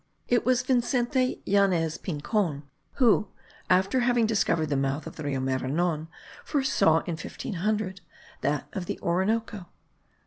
It was Vicente Yanez Pincon, who, after having discovered the mouth of the Rio Maranon,* first saw, in 1500, that of the Orinoco.